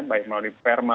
baik melalui perma